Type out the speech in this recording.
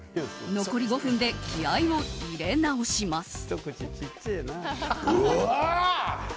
残り５分で気合を入れ直します。